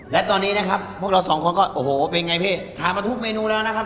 และตอนนี้นะครับพวกเราสองคนก็โอ้โหเป็นไงพี่ทานมาทุกเมนูแล้วนะครับ